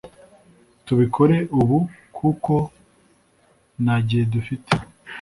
tubikore ubu kuko nagihe dufite